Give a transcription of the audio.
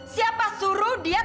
siapa suruh dia tidak tahu